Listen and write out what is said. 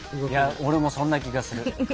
俺もそんな気がする。